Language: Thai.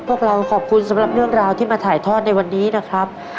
พวกเราขอบคุณสำหรับเรื่องราวที่มาถ่ายทอดในวันนี้นะครับ